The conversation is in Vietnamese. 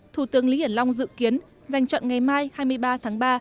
thủ tướng lý hiển long dự kiến dành chọn ngày mai hai mươi ba tháng ba